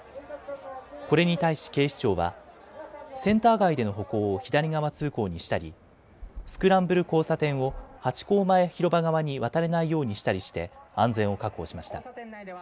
これに対し警視庁はセンター街での歩行を左側通行にしたりスクランブル交差点をハチ公前広場側に渡れないようにしたりして安全を確保しました。